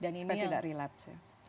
supaya tidak relapse ya